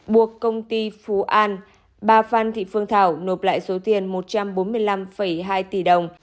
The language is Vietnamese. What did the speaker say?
buộc công ty phú an bà phan thị phương thảo nộp lại số tiền một trăm bốn mươi năm hai tỷ đồng